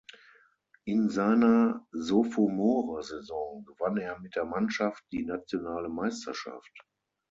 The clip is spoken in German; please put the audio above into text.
In seiner Sophomore Saison gewann er mit der Mannschaft die nationale Meisterschaft.